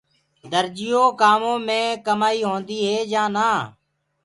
درجيو ڪآمون مي ڪمآئي هوندي هي يآن نآ